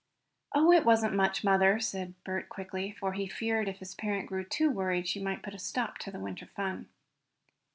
"Oh, it wasn't much, mother," said Bert quickly, for he feared if his parent grew too worried she might put a stop to the winter fun.